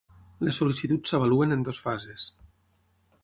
Les sol·licituds s'avaluen en dues fases.